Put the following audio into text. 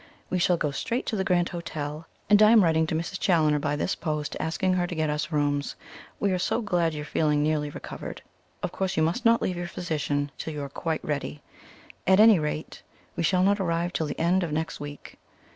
We shall go straight to the Grand Hotel; and I am writing to Mrs. Challoner by this post, asking her to get us rooms. We are so glad you are feeling nearly recovered of course, you must not leave your physician till you are quite ready. At any rate, we shall not arrive till the end of next week."